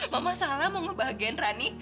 mama salah mau ngebahagiain rani